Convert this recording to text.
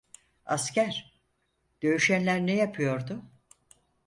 Asker, dövüşenler ne yapıyordu?